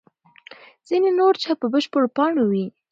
ځینې نور چای په بشپړو پاڼو وي.